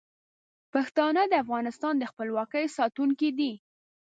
پښتانه د افغانستان د خپلواکۍ ساتونکي دي.